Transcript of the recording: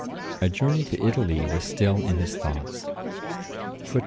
A journey to Italy was still in his thoughts.